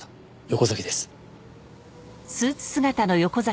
横崎です。